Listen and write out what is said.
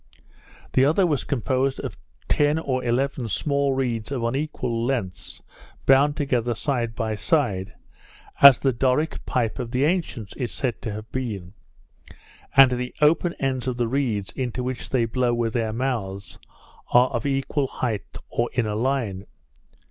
The other was composed of ten or eleven small reeds of unequal lengths, bound together side by side, as the Doric pipe of the ancients is said to have been; and the open ends of the reeds into which they blow with their mouths, are of equal height, or in a line.